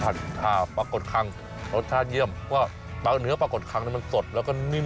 ปรากฏคังรสชาติเยี่ยมเพราะว่าปลาเนื้อปลากดคังมันสดแล้วก็นิ่ม